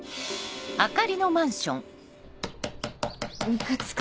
・ムカつく！